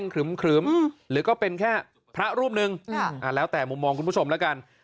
ครึ้มหรือก็เป็นแค่พระรูปหนึ่งแล้วแต่มุมมองคุณผู้ชมแล้วกัน